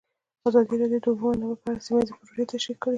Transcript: ازادي راډیو د د اوبو منابع په اړه سیمه ییزې پروژې تشریح کړې.